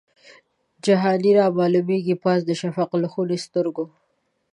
جهاني رامعلومیږي پاس د شفق له خوني سترګو